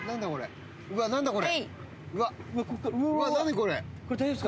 うわっ何これ？